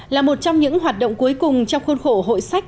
là một trong những hoạt động cuối cùng trong khuôn khổ hội sách